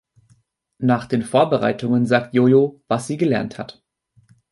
Nach den Vorbereitungen sagt Jojo, was sie gelernt hat.